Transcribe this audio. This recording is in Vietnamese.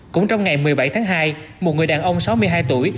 cũng trong ngày một mươi bảy tháng hai một người đàn ông sáu mươi hai tuổi